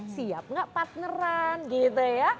siap nggak partneran gitu ya